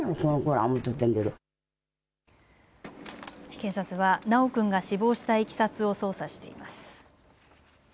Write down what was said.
警察は修君が死亡したいきさつを捜査しています。